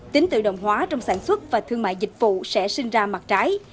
tính tự động hóa trong sản xuất và thương mại dịch vụ sẽ sinh ra mặt trái